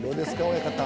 親方。